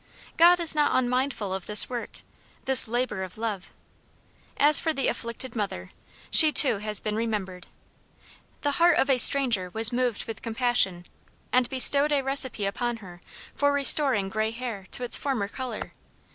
God is not unmindful of this work, this labor of love. As for the afflicted mother, she too has been remembered. The heart of a stranger was moved with compassion, and bestowed a recipe upon her for restoring gray hair to its former color.